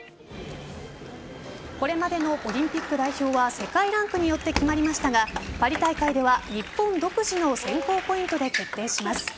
これまでのオリンピック代表は世界ランクによって決まりましたがパリ大会では日本独自の選考ポイントで決定します。